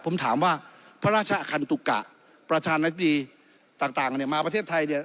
ผมถามว่าพระราชคันตุกะประธานาธิบดีต่างเนี่ยมาประเทศไทยเนี่ย